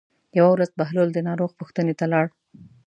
یوه ورځ بهلول د ناروغ پوښتنې ته لاړ.